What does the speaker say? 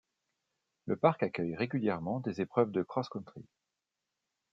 Le parc accueille régulièrement des épreuves de cross-country.